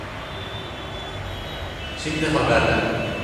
Şimdi haberler.